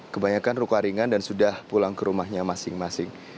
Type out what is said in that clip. kebanyakan luka ringan dan sudah pulang ke rumahnya masing masing